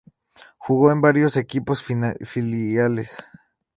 Jugó en varios equipos filiales.